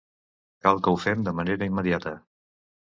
Cal que ho fem de manera immediata.